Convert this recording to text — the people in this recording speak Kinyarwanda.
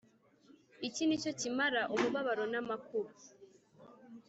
Iki nicyo kimara umubabaro namakuba